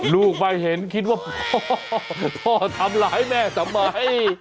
ลูกมาเห็นคิดว่าพ่อพ่อทำร้ายแม่ทำไม